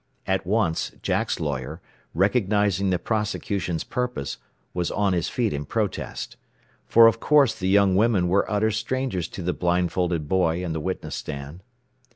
At once Jack's lawyer, recognizing the prosecution's purpose, was on his feet in protest. For of course the young women were utter strangers to the blindfolded boy in the witness stand.